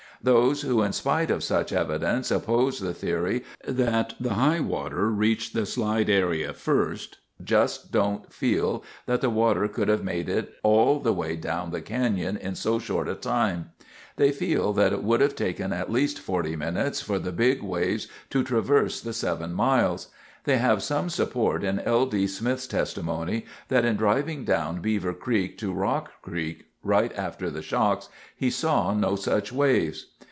Those who, in spite of such evidence, oppose the theory that the high water reached the slide area first just don't feel that the water could have made it all the way down the canyon in so short a time. They feel that it would have taken at least 40 minutes for the big waves to traverse the seven miles. They have some support in L. D. Smith's testimony that in driving down from Beaver Creek to Rock Creek right after the shocks, he saw no such waves.